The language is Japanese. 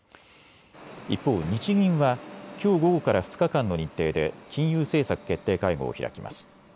一方、日銀はきょう午後から２日間の日程で金融政策決定会合を開きます。